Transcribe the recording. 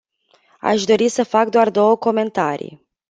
Aș dori să fac doar două comentarii.